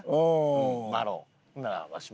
麻呂ならわしも。